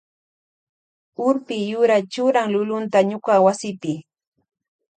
Urpi yura churan lulunta ñuka wasipi.